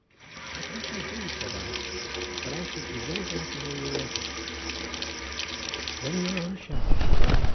"I think I do," said I, "but I should be very glad to hear you relate it." "Then your honour shall.